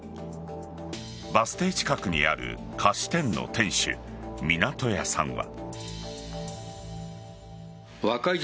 バス停近くにある菓子店の店主湊屋さんは。